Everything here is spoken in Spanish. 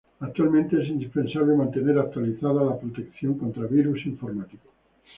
Actualmente es indispensable mantener actualizada la protección contra virus informáticos.